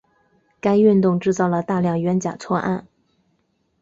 该运动制造了大量冤假错案。